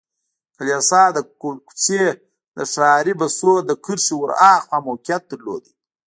کلیسا د کوڅې د ښاري بسونو له کرښې ور هاخوا موقعیت درلود.